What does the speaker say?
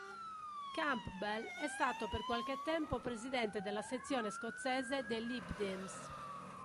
Campbell è stato per qualche tempo presidente della sezione scozzese dei "LibDems".